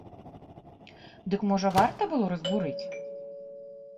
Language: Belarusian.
Дык можа варта было разбурыць?